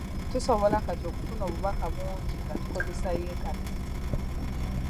Tusobola kati okufuna obubaka bungi nga tukozesa yintaneeti